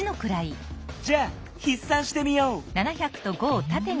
じゃあひっさんしてみよう。